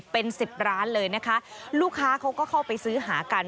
เป็นสิบร้านเลยนะคะลูกค้าเขาก็เข้าไปซื้อหากัน